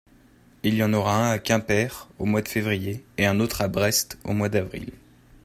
il y en aura un à Quimper au mois de février et un autre à Brest au mois d'avril.